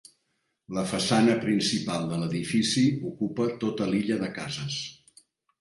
La façana principal de l'edifici ocupa tota l'illa de cases.